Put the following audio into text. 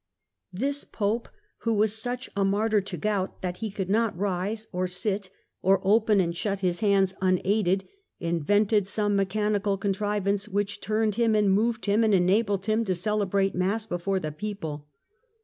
This Pope, who was such a martyr to gout that he could not rise or sit or open and shut his hands unaided, in vented some mechanical contrivance, which turned him and moved him and enabled him to celebrate Mass be fore the people.